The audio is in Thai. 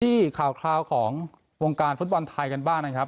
ที่ข่าวของวงการฟุตบอลไทยกันบ้างนะครับ